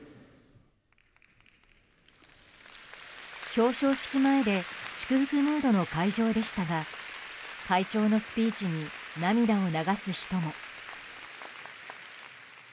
表彰式前で祝福ムードの会場でしたが会長のスピーチに涙を流す人も。